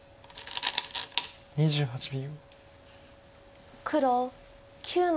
２８秒。